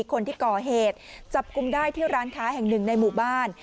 คนที่ก่อเหตุจับกลุ่มได้ที่ร้านค้าแห่งหนึ่งในหมู่บ้าน